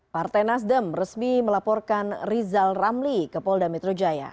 partai nasdem resmi melaporkan rizal ramli ke polda metro jaya